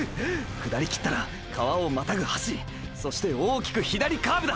下りきったら川をまたぐ橋そして大きく左カーブだ！！